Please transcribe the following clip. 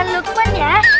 lagi lukman ya